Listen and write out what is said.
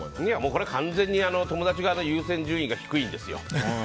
これは完全に友達側の優先順位が低いんですよ。